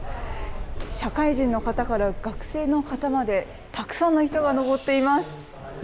社会人の方から学生の方までたくさんの人が登っています。